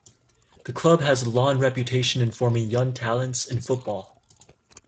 The club has a long reputation in forming young talents in football.